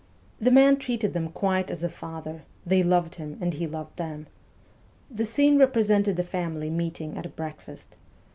The man treated them quite as a father, they loved him, and he loved them. The scene represented the family meeting at breakfast.